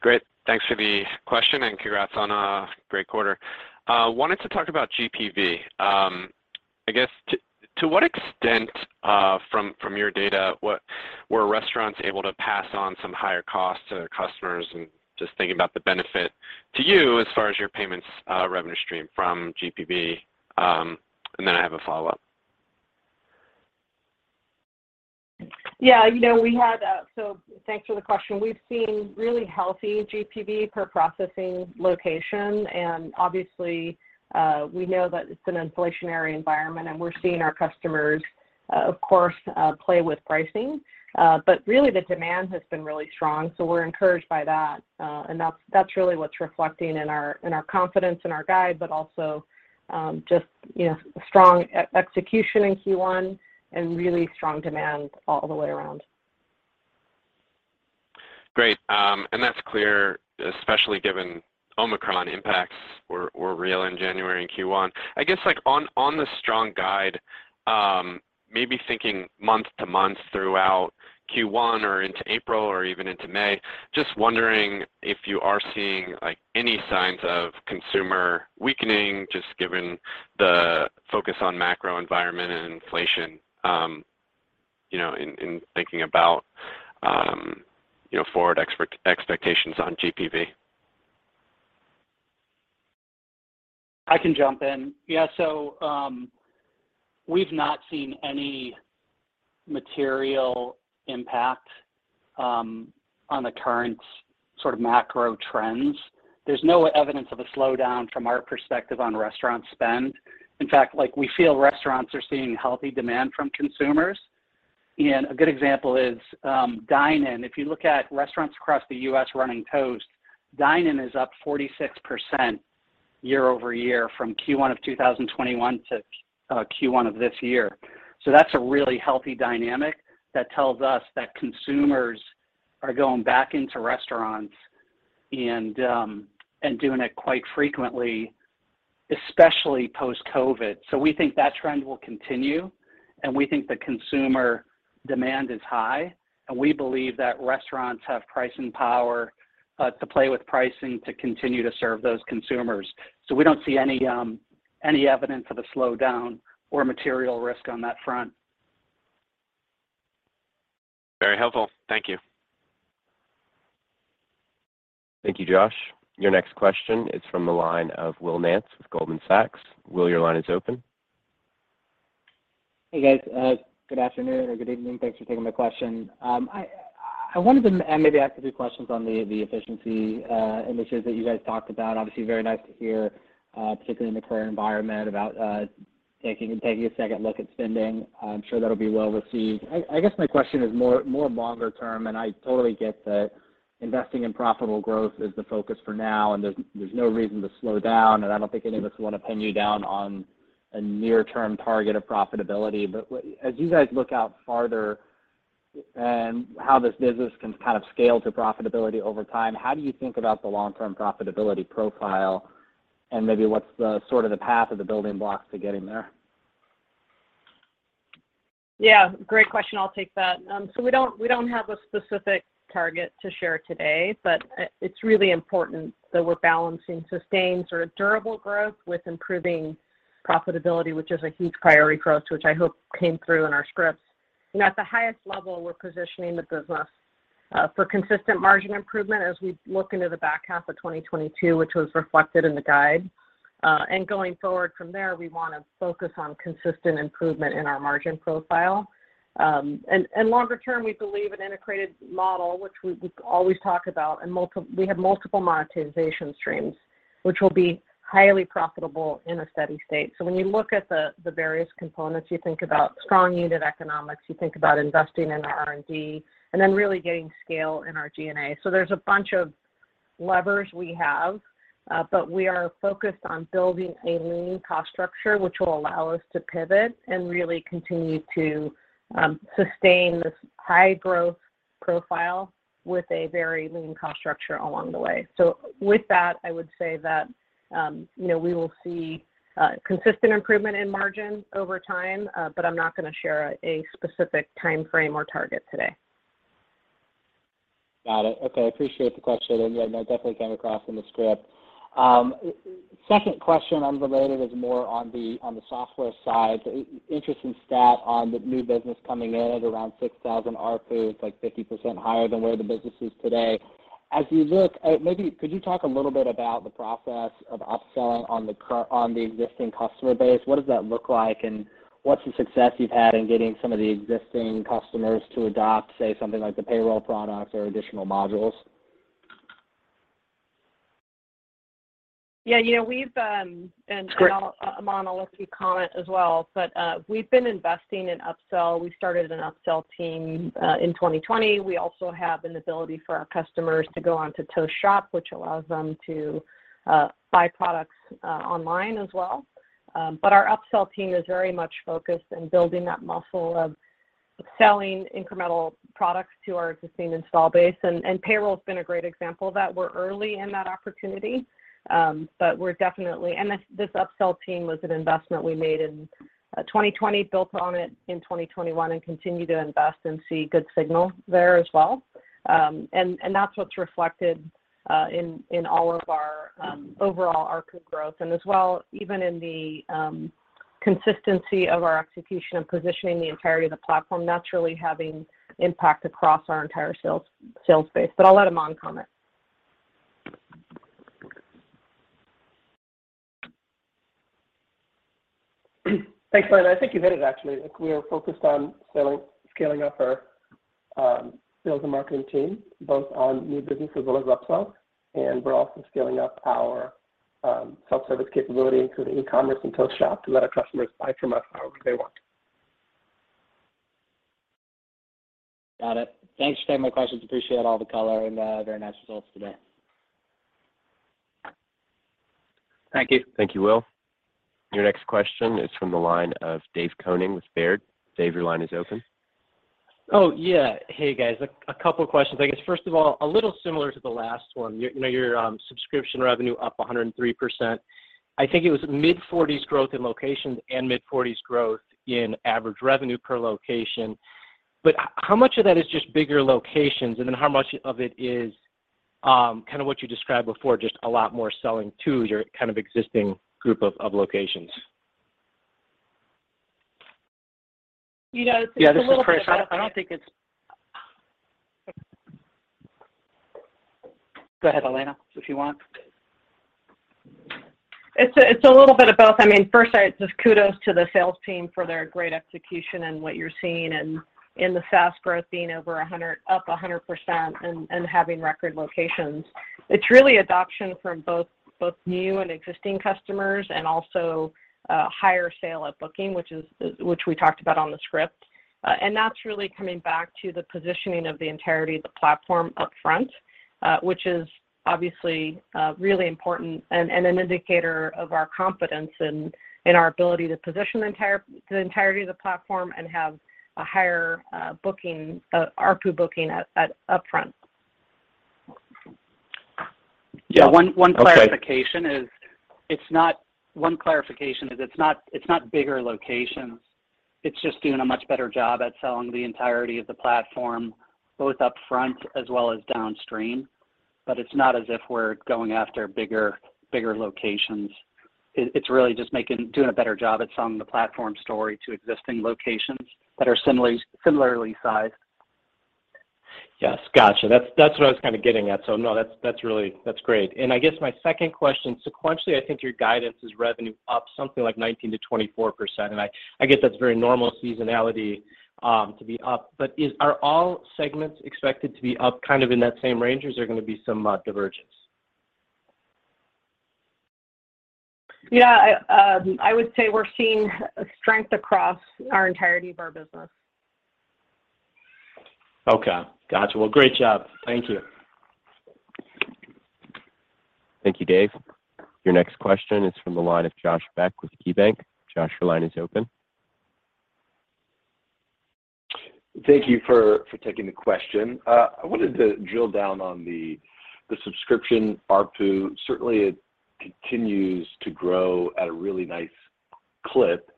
Great. Thanks for the question, and congrats on a great quarter. Wanted to talk about GPV. I guess, to what extent, from your data, were restaurants able to pass on some higher costs to their customers? Just thinking about the benefit to you as far as your payments, revenue stream from GPV. I have a follow-up. Thanks for the question. We've seen really healthy GPV per processing location, and obviously, we know that it's an inflationary environment, and we're seeing our customers, of course, play with pricing. But really the demand has been really strong, so we're encouraged by that. That's really what's reflecting in our confidence in our guide, but also, just, you know, strong execution in Q1 and really strong demand all the way around. Great. That's clear, especially given Omicron impacts were real in January and Q1. I guess, like, on the strong guide, maybe thinking month-to-month throughout Q1 or into April or even into May, just wondering if you are seeing, like, any signs of consumer weakening, just given the focus on macro environment and inflation, you know, in thinking about, you know, forward expectations on GPV. I can jump in. Yeah, we've not seen any material impact on the current sort of macro trends. There's no evidence of a slowdown from our perspective on restaurant spend. In fact, like we feel restaurants are seeing healthy demand from consumers. A good example is dine-in. If you look at restaurants across the U.S. running Toast, dine-in is up 46% year-over-year from Q1 of 2021 to Q1 of this year. That's a really healthy dynamic that tells us that consumers are going back into restaurants and doing it quite frequently, especially post-COVID. We think that trend will continue, and we think the consumer demand is high, and we believe that restaurants have pricing power to play with pricing to continue to serve those consumers. We don't see any evidence of a slowdown or material risk on that front. Very helpful. Thank you. Thank you, Josh. Your next question is from the line of Will Nance with Goldman Sachs. Will, your line is open. Hey, guys. Good afternoon or good evening. Thanks for taking my question. I wanted to maybe ask a few questions on the efficiency initiatives that you guys talked about. Obviously, very nice to hear, particularly in the current environment about taking a second look at spending. I'm sure that'll be well received. I guess my question is more longer term, and I totally get that investing in profitable growth is the focus for now, and there's no reason to slow down, and I don't think any of us wanna pin you down on a near-term target of profitability. As you guys look out farther and how this business can kind of scale to profitability over time, how do you think about the long-term profitability profile, and maybe what's the sort of the path of the building blocks to getting there? Yeah. Great question. I'll take that. So we don't have a specific target to share today, but it's really important that we're balancing sustained, sort of durable growth with improving profitability, which is a huge priority for us, which I hope came through in our scripts. At the highest level, we're positioning the business for consistent margin improvement as we look into the back half of 2022, which was reflected in the guide. Going forward from there, we wanna focus on consistent improvement in our margin profile. Longer term, we believe an integrated model, which we always talk about, and we have multiple monetization streams, which will be highly profitable in a steady state. When you look at the various components, you think about strong unit economics, you think about investing in R&D, and then really getting scale in our G&A. There's a bunch of levers we have, but we are focused on building a lean cost structure, which will allow us to pivot and really continue to sustain this high growth profile with a very lean cost structure along the way. With that, I would say that you know, we will see consistent improvement in margin over time, but I'm not gonna share a specific timeframe or target today. Got it. Okay. Appreciate the color shade, and yeah, no, it definitely came across in the script. Second question, unrelated, is more on the software side. Interesting stat on the new business coming in at around 6,000 ARPU. It's like 50% higher than where the business is today. As you look, maybe could you talk a little bit about the process of upselling on the existing customer base? What does that look like, and what's the success you've had in getting some of the existing customers to adopt, say, something like the payroll product or additional modules? Yeah. You know, we've- Great. Aman, I'll let you comment as well, but we've been investing in upsell. We started an upsell team in 2020. We also have an ability for our customers to go onto Toast Shop, which allows them to buy products online as well. Our upsell team is very much focused in building that muscle of selling incremental products to our existing install base, and payroll's been a great example that we're early in that opportunity. This upsell team was an investment we made in 2020, built on it in 2021, and continue to invest and see good signal there as well. That's what's reflected in all of our overall ARPU growth, and as well even in the consistency of our execution of positioning the entirety of the platform, naturally having impact across our entire sales base. I'll let Aman comment. Thanks, Elena. I think you hit it, actually. Like, we are focused on selling, scaling up our sales and marketing team, both on new business as well as upsell. We're also scaling up our self-service capability, including e-commerce and Toast Shop, to let our customers buy from us however they want. Got it. Thanks for taking my questions. Appreciate all the color, and very nice results today. Thank you. Thank you, Will. Your next question is from the line of Dave Koning with Baird. Dave, your line is open. Oh, yeah. Hey, guys. A couple questions. I guess, first of all, a little similar to the last one. You know, your subscription revenue up 103%. I think it was mid-forties growth in locations and mid-forties growth in average revenue per location. But how much of that is just bigger locations, and then how much of it is kinda what you described before, just a lot more selling to your kind of existing group of locations? You know, it's a little bit of both. Yeah, this is Chris. I don't think it's. Go ahead, Elena, if you want. It's a little bit of both. I mean, first, just kudos to the sales team for their great execution and what you're seeing in the SaaS growth being over 100, up 100% and having record locations. It's really adoption from both new and existing customers and also higher sales booking, which we talked about on the script. That's really coming back to the positioning of the entirety of the platform up front, which is obviously really important and an indicator of our confidence in our ability to position the entirety of the platform and have a higher booking ARPU booking at upfront. Yeah. Okay. One clarification is it's not bigger locations. It's just doing a much better job at selling the entirety of the platform, both upfront as well as downstream, but it's not as if we're going after bigger locations. It's really just doing a better job at selling the platform story to existing locations that are similarly sized. Yes. Gotcha. That's what I was kinda getting at. So no, that's really great. I guess, my second question, sequentially, I think your guidance is revenue up something like 19%-24%, and I guess that's very normal seasonality to be up. But are all segments expected to be up kind of in that same range, or is there gonna be some divergence? Yeah. I would say we're seeing strength across our entirety of our business. Okay. Gotcha. Well, great job. Thank you. Thank you, Dave. Your next question is from the line of Josh Beck with KeyBanc Capital Markets. Josh, your line is open. Thank you for taking the question. I wanted to drill down on the subscription ARPU. Certainly, it continues to grow at a really nice clip,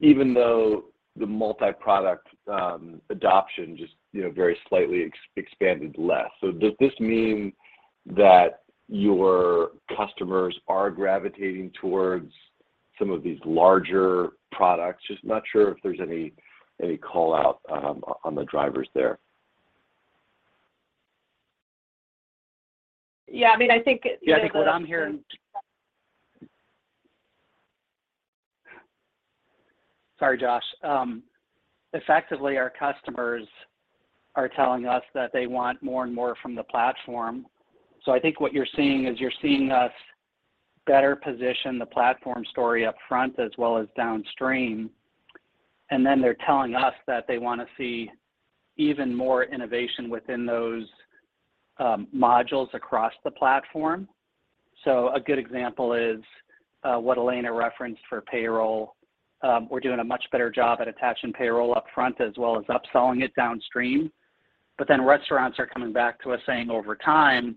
even though the multi-product adoption just you know very slightly expanded less. Does this mean that your customers are gravitating towards some of these larger products? Just not sure if there's any call-out on the drivers there. Yeah, I mean, I think, you know, it goes. Yeah, I think what I'm hearing. Sorry, Josh. Effectively, our customers are telling us that they want more and more from the platform. I think what you're seeing is you're seeing us better position the platform story upfront as well as downstream, and then they're telling us that they wanna see even more innovation within those modules across the platform. A good example is what Elena referenced for payroll. We're doing a much better job at attaching payroll upfront as well as upselling it downstream. Restaurants are coming back to us saying, over time,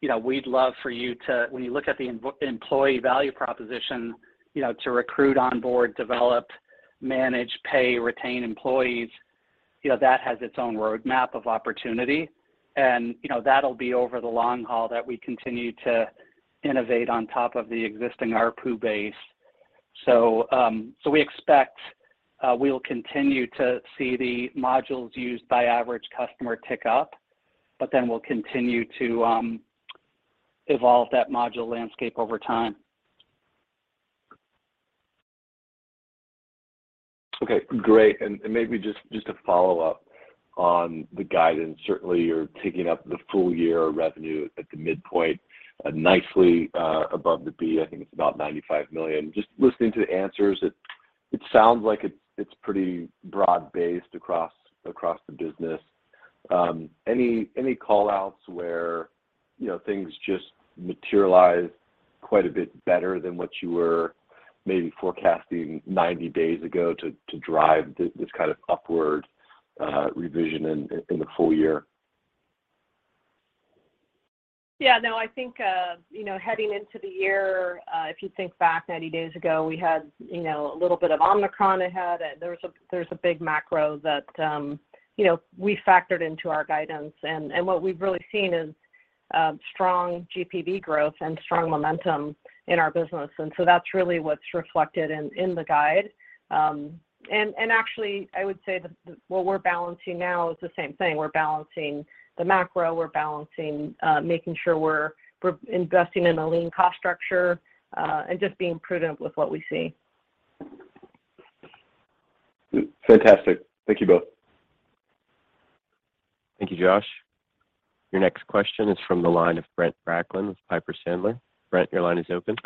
you know, we'd love for you to, when you look at the employee value proposition, you know, to recruit, onboard, develop, manage, pay, retain employees, you know, that has its own roadmap of opportunity. You know, that'll be over the long haul that we continue to innovate on top of the existing ARPU base. We expect we'll continue to see the modules used by average customer tick up, but then we'll continue to evolve that module landscape over time. Okay. Great. Maybe just to follow up on the guidance, certainly you're taking up the full year revenue at the midpoint, nicely above the bar, I think it's about $95 million. Just listening to the answers, it sounds like it's pretty broad-based across the business. Any call-outs where, you know, things just materialize quite a bit better than what you were maybe forecasting 90 days ago to drive this kind of upward revision in the full year? Yeah, no, I think, you know, heading into the year, if you think back 90 days ago, we had, you know, a little bit of Omicron ahead. There's a big macro that, you know, we factored into our guidance. What we've really seen is strong GPV growth and strong momentum in our business. That's really what's reflected in the guide. Actually, I would say what we're balancing now is the same thing. We're balancing the macro, we're balancing making sure we're investing in a lean cost structure, and just being prudent with what we see. Fantastic. Thank you both. Thank you, Josh. Your next question is from the line of Brent Bracelin with Piper Sandler. Brent, your line is open.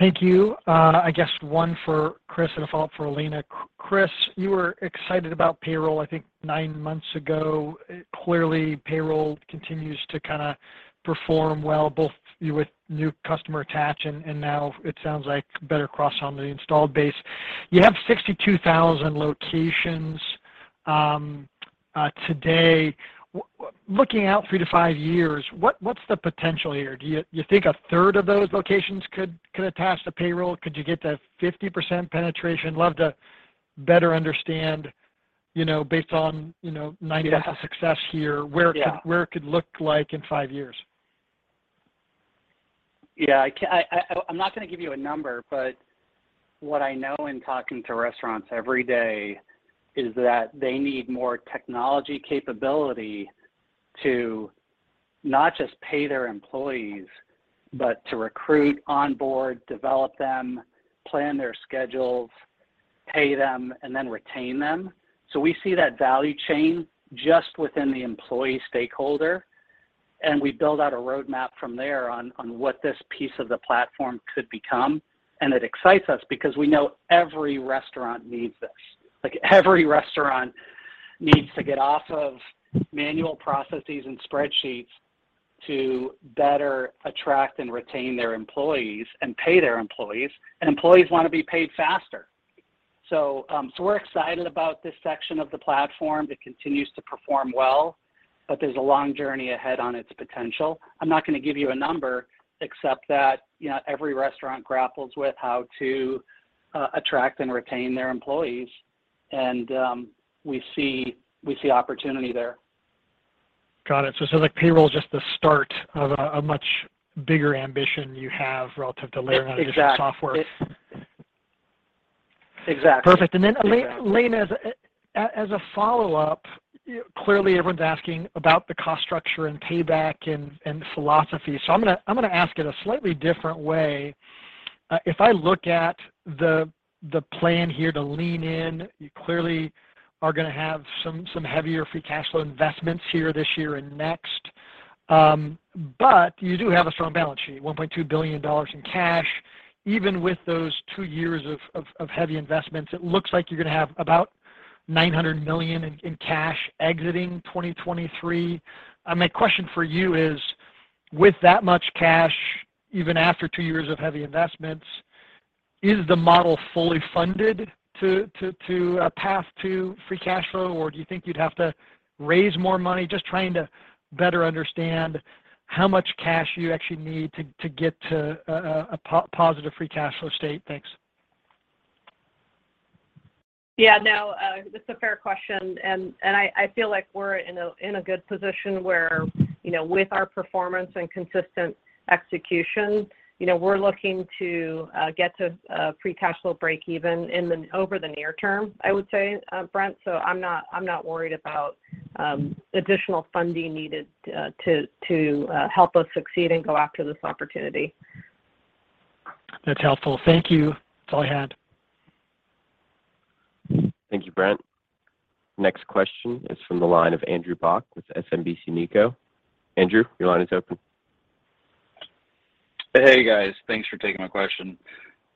Thank you. I guess one for Chris and a follow-up for Elena. Chris, you were excited about payroll, I think nine months ago. Clearly payroll continues to kinda perform well, both with new customer attach and now it sounds like better cross on the installed base. You have 62,000 locations today. Looking out three to five years, what's the potential here? Do you think a third of those locations could attach to payroll? Could you get to 50% penetration? Love to better understand, you know, based on, you know, 90 days of success here, where it could. Yeah. Where it could look like in five years. Yeah. I'm not gonna give you a number, but what I know in talking to restaurants every day is that they need more technology capability to not just pay their employees, but to recruit, onboard, develop them, plan their schedules, pay them, and then retain them. We see that value chain just within the employee stakeholder, and we build out a roadmap from there on what this piece of the platform could become. It excites us because we know every restaurant needs this. Like, every restaurant needs to get off of manual processes and spreadsheets to better attract and retain their employees and pay their employees, and employees wanna be paid faster. We're excited about this section of the platform. It continues to perform well, but there's a long journey ahead on its potential. I'm not gonna give you a number except that, you know, every restaurant grapples with how to attract and retain their employees and we see opportunity there. Got it. Like, payroll is just the start of a much bigger ambition you have relative to layering on additional software. Ex-exact- Perfect. Exactly. Elena, as a follow-up, clearly everyone's asking about the cost structure and payback and philosophy. I'm gonna ask it a slightly different way. If I look at the plan here to lean in, you clearly are gonna have some heavier free cash flow investments here this year and next. You do have a strong balance sheet, $1.2 billion in cash. Even with those two years of heavy investments, it looks like you're gonna have about $900 million in cash exiting 2023. My question for you is, with that much cash, even after two years of heavy investments, is the model fully funded to a path to free cash flow, or do you think you'd have to raise more money? Just trying to better understand how much cash you actually need to get to a positive free cash flow state. Thanks. Yeah, no, it's a fair question, and I feel like we're in a good position where, you know, with our performance and consistent execution, you know, we're looking to get to a free cash flow break even over the near term, I would say, Brent. So I'm not worried about additional funding needed to help us succeed and go after this opportunity. That's helpful. Thank you. That's all I had. Thank you, Brent. Next question is from the line of Andrew Bauch with SMBC Nikko. Andrew, your line is open. Hey, guys. Thanks for taking my question.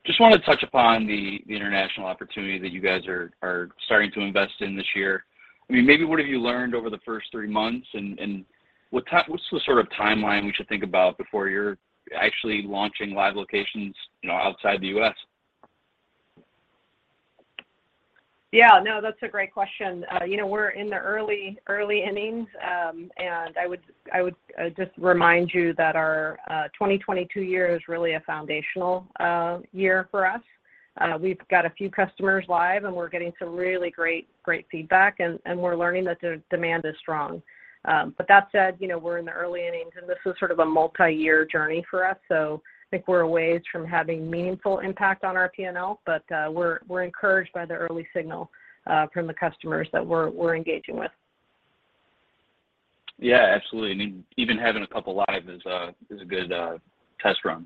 Just wanted to touch upon the international opportunity that you guys are starting to invest in this year. I mean, maybe what have you learned over the first three months, and what's the sort of timeline we should think about before you're actually launching live locations, you know, outside the U.S.? Yeah, no, that's a great question. You know, we're in the early innings, and I would just remind you that our 2022 year is really a foundational year for us. We've got a few customers live, and we're getting some really great feedback, and we're learning that the demand is strong. But that said, you know, we're in the early innings, and this is sort of a multi-year journey for us. I think we're a ways from having meaningful impact on our P&L, but we're encouraged by the early signal from the customers that we're engaging with. Yeah, absolutely. I mean, even having a couple live is a good test run.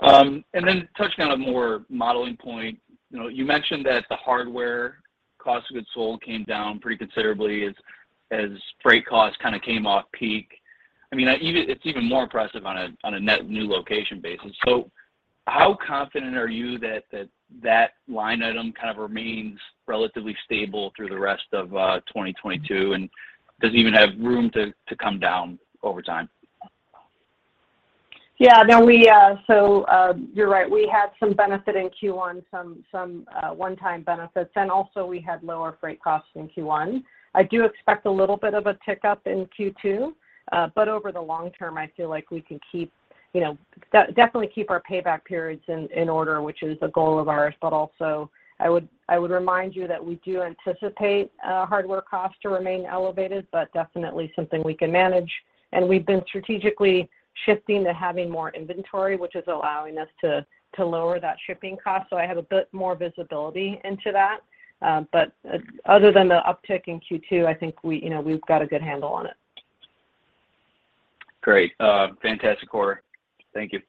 Then touching on a more modeling point, you know, you mentioned that the hardware cost of goods sold came down pretty considerably as freight costs kinda came off peak. It's even more impressive on a net new location basis. How confident are you that that line item kind of remains relatively stable through the rest of 2022, and does it even have room to come down over time? Yeah. No, you're right. We had some benefit in Q1, some one-time benefits, and also we had lower freight costs in Q1. I do expect a little bit of a tick-up in Q2, but over the long term, I feel like we can keep, you know, definitely keep our payback periods in order, which is a goal of ours. I would remind you that we do anticipate hardware costs to remain elevated, but definitely something we can manage. We've been strategically shifting to having more inventory, which is allowing us to lower that shipping cost, so I have a bit more visibility into that. Other than the uptick in Q2, I think we, you know, we've got a good handle on it. Great. Fantastic quarter. Thank you.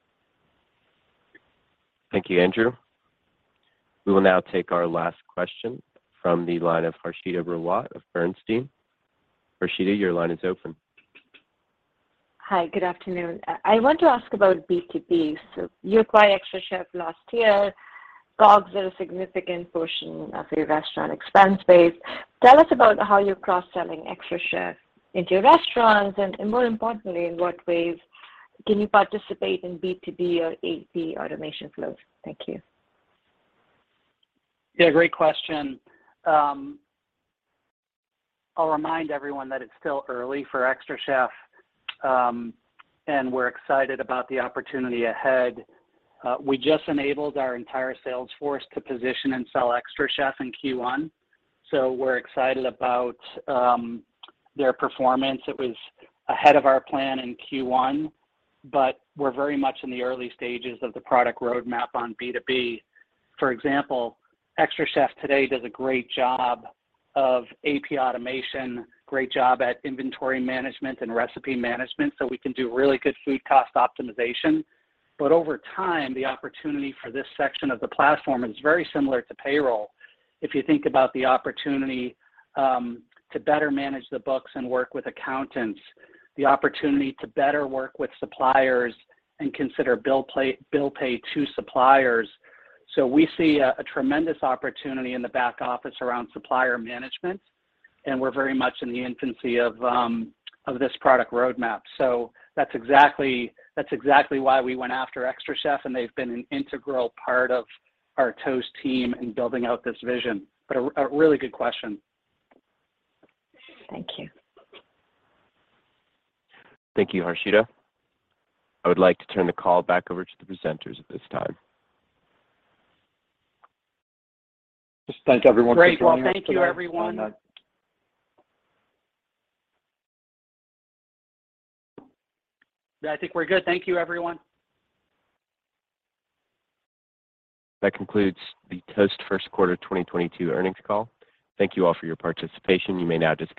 Thank you, Andrew. We will now take our last question from the line of Harshita Rawat of Bernstein. Harshita, your line is open. Hi, good afternoon. I want to ask about B2B. You acquired xtraCHEF last year. COGS are a significant portion of your restaurant expense base. Tell us about how you're cross-selling xtraCHEF into your restaurants, and more importantly, in what ways can you participate in B2B or AP automation flows? Thank you. Yeah, great question. I'll remind everyone that it's still early for xtraCHEF, and we're excited about the opportunity ahead. We just enabled our entire sales force to position and sell xtraCHEF in Q1, so we're excited about their performance. It was ahead of our plan in Q1, but we're very much in the early stages of the product roadmap on B2B. For example, xtraCHEF today does a great job of AP automation, great job at inventory management and recipe management, so we can do really good food cost optimization. Over time, the opportunity for this section of the platform is very similar to payroll if you think about the opportunity to better manage the books and work with accountants, the opportunity to better work with suppliers and consider bill pay to suppliers. We see a tremendous opportunity in the back office around supplier management, and we're very much in the infancy of this product roadmap. That's exactly why we went after xtraCHEF, and they've been an integral part of our Toast team in building out this vision. A really good question. Thank you. Thank you, Harshita. I would like to turn the call back over to the presenters at this time. Just thank everyone for joining us today. Great. Well, thank you, everyone. Yeah, I think we're good. Thank you, everyone. That concludes the Toast first quarter 2022 earnings call. Thank you all for your participation. You may now disconnect.